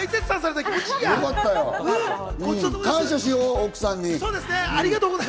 朝から大絶賛されて気持ち良いや！感謝しよう、奥さんに。